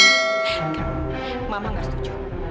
eh kamu mama gak setuju